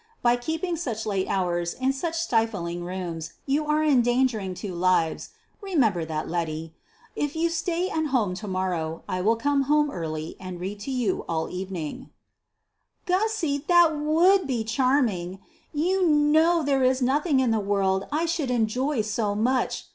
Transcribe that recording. By keeping such late hours in such stifling rooms you are endangering two lives remember that, Letty. It you stay at home to morrow, I will come home early, and read to you all the evening." "Gussy, that would be charming. You know there is nothing in the world I should enjoy so much.